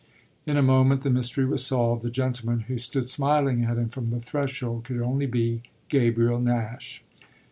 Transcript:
In a moment the mystery was solved: the gentleman who stood smiling at him from the threshold could only be Gabriel Nash.